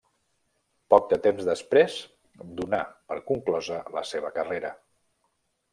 Poc de temps després, donà per conclosa la seva carrera.